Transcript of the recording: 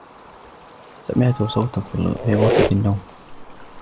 سمعتُ صوتا في غرفة النوم.